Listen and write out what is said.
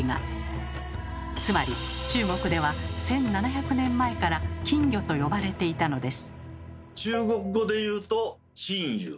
つまり中国では１，７００年前から金魚と呼ばれていたのです。